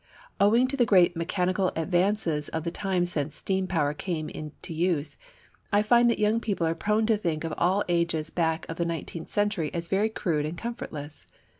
Owing to the great mechanical advances of the time since steam power came in to use, I find that young people are prone to think of all the ages back of the nineteenth century as very crude and comfortless.